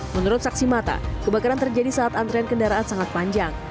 menurut saksi mata kebakaran terjadi saat antrean kendaraan sangat panjang